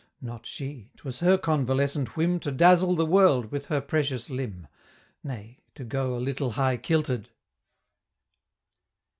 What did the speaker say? Not she! 'twas her convalescent whim To dazzle the world with her precious limb, Nay, to go a little high kilted.